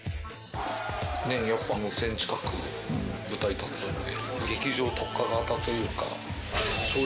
やっぱ１０００近く舞台立つんで。